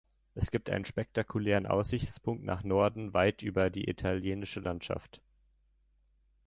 Es gibt einen spektakulären Aussichtspunkt nach Norden weit über die italienische Landschaft.